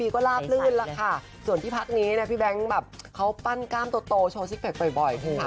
ก็ลาบลื่นแล้วค่ะส่วนที่พักนี้นะพี่แบงค์แบบเขาปั้นกล้ามโตโชว์ซิกแพคบ่อย